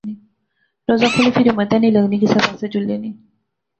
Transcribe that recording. روزہ کھولی فیر ہمت ای نی لغنی کسے پاسے جلنے نی